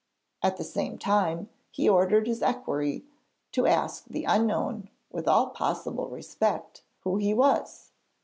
At the same time, he ordered his equerry to ask the unknown, with all possible respect, who he was.